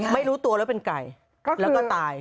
ไม่รู้ตัวแล้วเป็นไก่แล้วก็ตาย